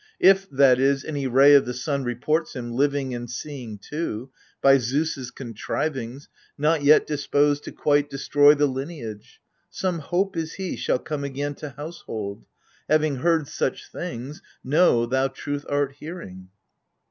If (that is) any ray o' the sun reports him Living and seeing too — by Zeus' contrivings, Not yet disposed to quite destroy the lineage — Some hope is he shall come again to household. Having heard such things, know, thou truth art hearing